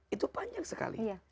itu panjang sekali